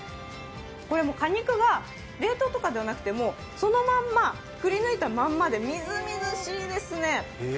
果肉が冷凍とかではなくてそのまま、くり抜いたままでみずみずしいですね。